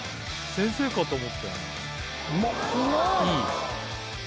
先生かと思ったよ。